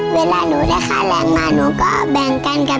เวลาหนูได้ค่าแรงมาหนูก็แบ่งกันกัน